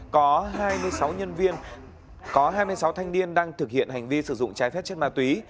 có hai mươi sáu nhân viên có hai mươi sáu thanh niên đang thực hiện hành vi sử dụng trái phép chất ma túy